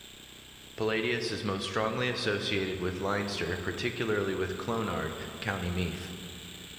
Palladius is most strongly associated with Leinster, particularly with Clonard, County Meath.